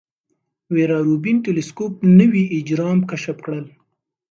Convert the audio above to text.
ویرا روبین ټیلسکوپ نوي اجرام کشف کړل.